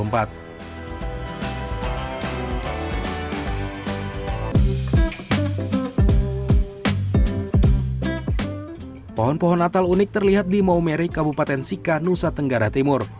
pohon pohon natal unik terlihat di maumere kabupaten sika nusa tenggara timur